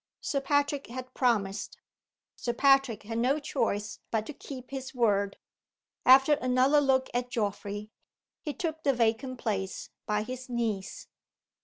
Sir Patrick had promised Sir Patrick had no choice but to keep his word. After another look at Geoffrey, he took the vacant place by his niece.